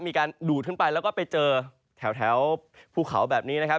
มีการดูดขึ้นไปแล้วก็ไปเจอแถวภูเขาแบบนี้นะครับ